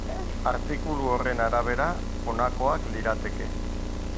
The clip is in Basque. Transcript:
Artikulu horren arabera, honakoak lirateke.